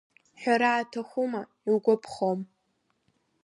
Ҳәара аҭахума, иугәаԥхом…